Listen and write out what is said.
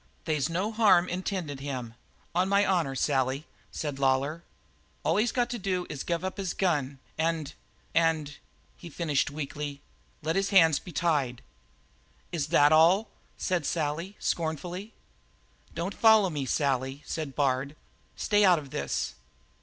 "They's no harm intended him, on my honour, Sally," said Lawlor. "All he's got to do is give up his gun and and" he finished weakly "let his hands be tied." "Is that all?" said Sally scornfully. "Don't follow me, Sally," said Bard. "Stay out of this.